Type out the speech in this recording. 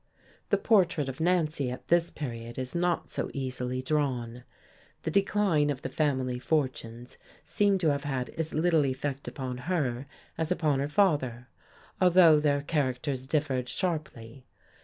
The portrait of Nancy at this period is not so easily drawn. The decline of the family fortunes seemed to have had as little effect upon her as upon her father, although their characters differed sharply.